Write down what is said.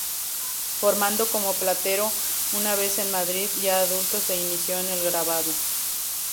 Formado como platero, una vez en Madrid, ya adulto, se inició en el grabado.